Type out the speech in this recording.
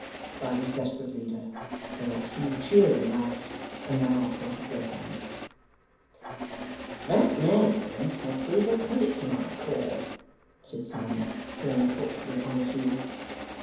cried his desperate leader. Whereat Hugh cheered and laughed, and ran off like a greyhound. 'That man will prove a credit to my corps,' said Simon, turning thoughtfully upon his heel.